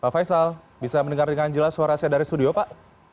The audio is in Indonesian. pak faisal bisa mendengar dengan jelas suaranya dari studio pak